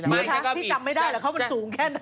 เหมือนที่จับไม่ได้แต่เขาเป็นสูงแค่ไหน